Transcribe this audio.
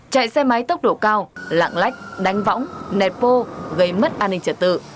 chạy xe máy tốc độ cao lạng lách đánh võng nẹt vô gây mất an ninh trật tự